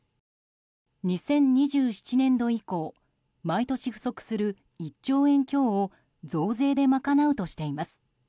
２０２７年度以降毎年不足する１兆円強を増税で賄うとしています。